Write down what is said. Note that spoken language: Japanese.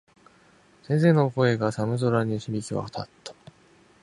先生の声が、寒空に響き渡った。